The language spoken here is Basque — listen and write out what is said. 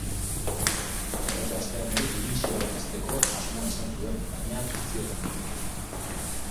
Aurreko astean ere dimisioa aurkezteko asmoa izan zuen, baina ez zioten onartu.